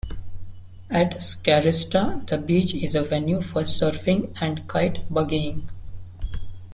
At Scarista the beach is a venue for surfing and kite buggying.